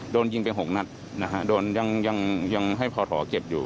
โดนยิงเป็น๖นักยังให้พ่อห่อเก็บอยู่